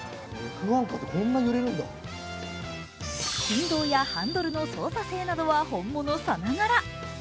振動やハンドルの操作性などは本物さながら。